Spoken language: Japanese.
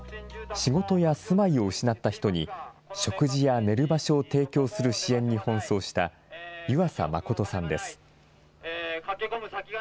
仕事や住まいを失った人に、食事や寝る場所を提供する活動に奔走した湯浅誠さんです。